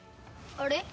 あれ？